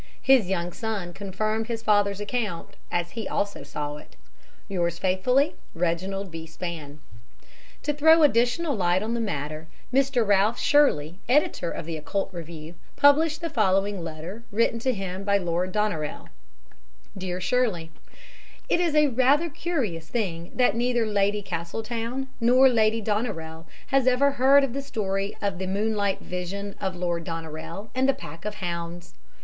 His young son confirmed his father's account, as he also saw it. "Yours faithfully, "REGINALD B. SPAN." To throw additional light on the matter Mr. Ralph Shirley, editor of the Occult Review, published the following letter, written to him by Lord Doneraile: "DEAR SHIRLEY, "It is rather a curious thing that neither Lady Castletown nor Lady Doneraile has ever heard of the story of the moonlight vision of Lord Doneraile and the pack of hounds.